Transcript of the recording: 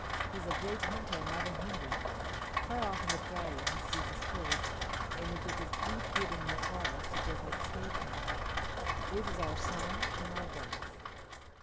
He is a great hunter and never hungry. Far off on the prairie he sees his food, or if it is deep hidden in the forest it does not escape him. This is our song and our dance."